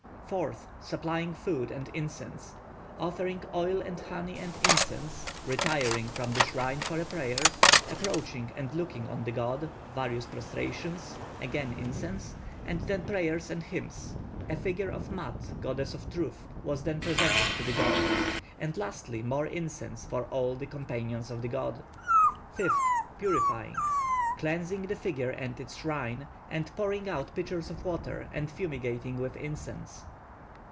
4th. Supplying food and incense offering oil and honey and incense, retiring from the shrine for a prayer, approaching and looking on the god, various prostrations, again incense, and then prayers and hymns, a figure of Maat (goddess of truth) was then presented to the god, and, lastly, more incense for all the companions of the god. 5th. Purifying cleansing the figure and its shrine, and pouring out pitchers of water, and fumigating with incense.